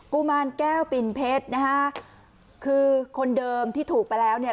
กุมารแก้วปิ่นเพชรนะฮะคือคนเดิมที่ถูกไปแล้วเนี่ย